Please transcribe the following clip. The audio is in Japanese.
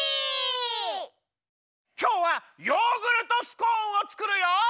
きょうはヨーグルトスコーンをつくるよ！